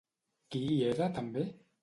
Qui hi era també?